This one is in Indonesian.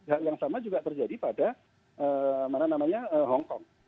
hal yang sama juga terjadi pada hong kong